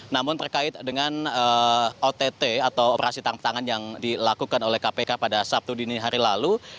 namun terkait dengan ott atau operasi tangkap tangan yang dilakukan oleh kpk pada sabtu dini hari lalu